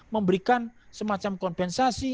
memberikan semacam kompensasi